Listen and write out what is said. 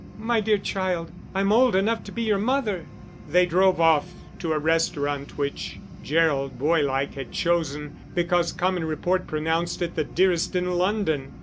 "My dear child, I'm old enough to be your mother." They drove off to a restaurant which Gerald, boylike, had chosen, because common report pronounced it the dearest in London.